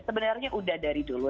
sebenarnya udah dari dulu